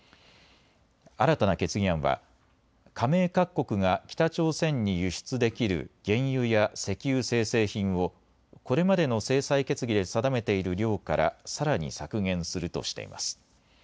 新たな決議案は加盟各国が北朝鮮に輸出できる原油や石油精製品をこれまでの制裁決議で定めている量からさらに削減するとしています。